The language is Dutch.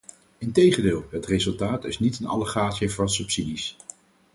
Integendeel, het resultaat is niet een allegaartje van subsidies.